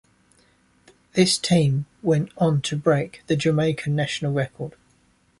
This team went on to break the Jamaican National Record.